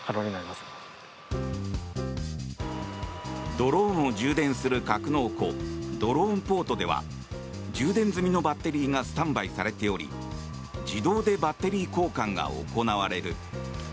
ドローンを充電する格納庫ドローンポートでは充電済みのバッテリーがスタンバイされており自動でバッテリー交換が行われる。